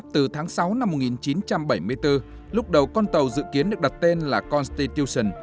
từ tháng sáu năm một nghìn chín trăm bảy mươi bốn lúc đầu con tàu dự kiến được đặt tên là constitution